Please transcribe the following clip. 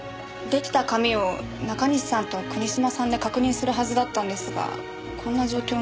できた紙を中西さんと国島さんで確認するはずだったんですがこんな状況なので。